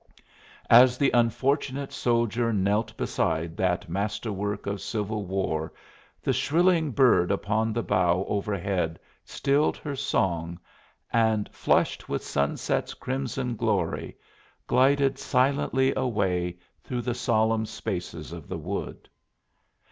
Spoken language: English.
As the unfortunate soldier knelt beside that masterwork of civil war the shrilling bird upon the bough overhead stilled her song and, flushed with sunset's crimson glory, glided silently away through the solemn spaces of the wood.